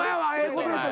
こと言うた。